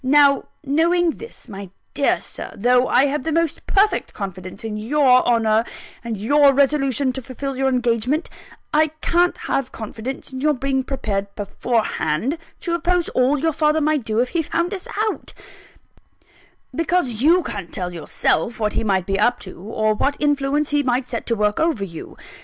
Now, knowing this, my dear Sir though I have the most perfect confidence in your honour, and your resolution to fulfil your engagement I can't have confidence in your being prepared beforehand to oppose all your father might do if he found us out; because you can't tell yourself what he might be up to, or what influence he might set to work over you.